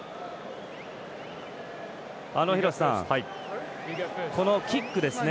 廣瀬さん、このキックですね。